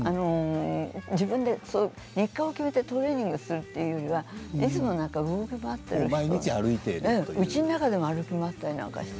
自分で日課を決めてトレーニングをするというよりはいつも歩くうちの中でも歩き回ったりして。